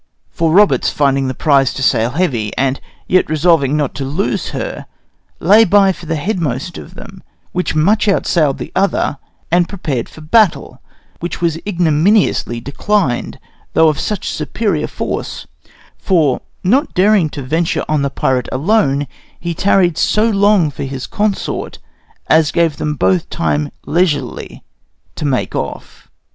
For Roberts, finding the prize to sail heavy, and yet resolving not to lose her, lay by for the headmost of them, which much outsailed the other, and prepared for battle, which was ignominiously declined, though of such superior force; for, not daring to venture on the pirate alone, he tarried so long for his consort as gave them both time leisurely to make off.